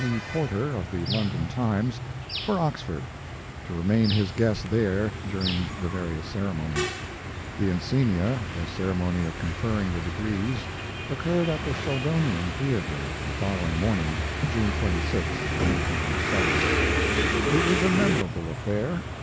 Porter, of the London Times, for Oxford, to remain his guest there during the various ceremonies. The encenia the ceremony of conferring the degrees occurred at the Sheldonian Theater the following morning, June 26, 1907. It was a memorable affair.